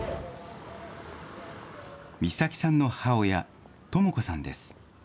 美咲さんの母親、とも子さんです。